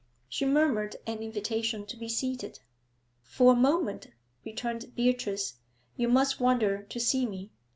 She murmured an invitation to be seated. 'For a moment,' returned Beatrice, 'you must wonder to see me.